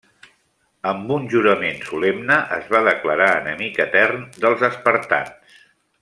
Amb un jurament solemne es va declarar enemic etern dels espartans.